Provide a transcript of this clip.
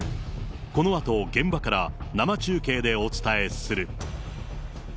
このあと、現場から生中継でお伝えする。